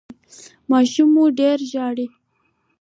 ماشوم مو ډیر ژاړي؟